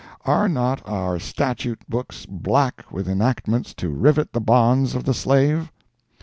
Are not our statute books black with enactments to rivet the bonds of the slave?